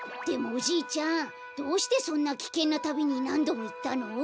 でもおじいちゃんどうしてそんなきけんなたびになんどもいったの？